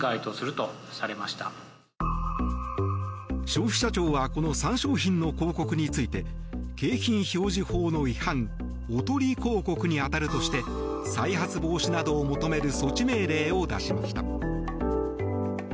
消費者庁はこの３商品の広告について景品表示法の違反おとり広告に当たるとして再発防止などを求める措置命令を出しました。